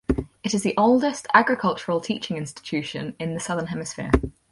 It is the oldest agricultural teaching institution in the Southern Hemisphere.